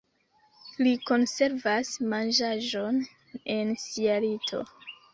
Li konservas manĝaĵon en sia lito.